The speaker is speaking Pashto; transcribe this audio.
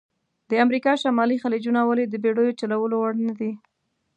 د امریکا شمالي خلیجونه ولې د بېړیو چلول وړ نه دي؟